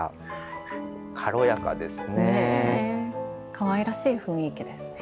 かわいらしい雰囲気ですね。